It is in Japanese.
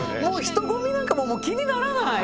人混みなんかもう気にならない。